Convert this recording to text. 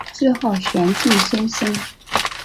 自号玄静先生。